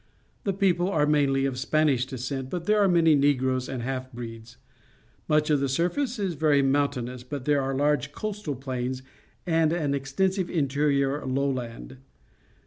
The people are mainlj' of Spanish descent, but there are many Negroes and half breeds. Much of the surface is very mountainous, but there are large coastal plains and an extensive interior lowland.